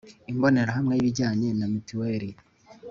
imbonerahamwe y ibijyanye na mitiweri